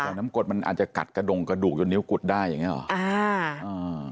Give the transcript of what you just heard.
แต่น้ำกดมันอาจจะกัดกระดงกระดูกจนนิ้วกุดได้อย่างเงี้หรออ่า